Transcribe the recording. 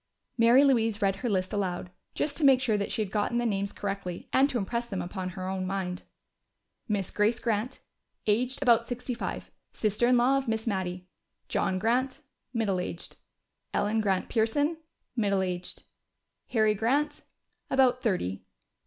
Mary Louise read her list aloud, just to make sure that she had gotten the names correctly and to impress them upon her own mind. "Mrs. Grace Grant aged about sixty five, sister in law of Miss Mattie. "John Grant middle aged. "Ellen Grant Pearson middle aged. "Harry Grant about thirty.